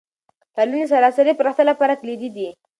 تعلیم د سراسري پراختیا لپاره کلیدي دی.